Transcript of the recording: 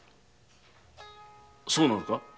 そうなのか？